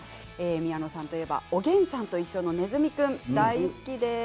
宮野さんと言えば「おげんさんといっしょ」のねずみ君大好きです。